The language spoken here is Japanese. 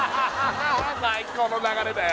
最高の流れだよ